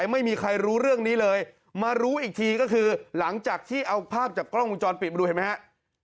ไม่มีใครรู้เรื่องนี้เลยมารู้อีกทีก็คือหลังจากที่เอาภาพจากกล้องวงจรปิดมาดูเห็นไหมฮะ